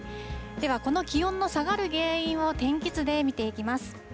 では、この気温の下がる原因を天気図で見ていきます。